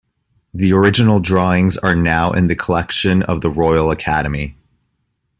The original drawings are now in the collection of the Royal Academy.